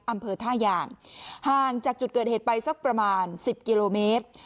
อำเภอท่ายางห่างจากจุดเกิดเหตุไปสักประมาณ๑๐กิโลเมตร